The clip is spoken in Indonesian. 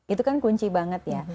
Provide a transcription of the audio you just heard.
itu kan kunci banget ya